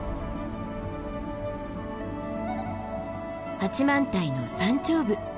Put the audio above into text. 八幡平の山頂部。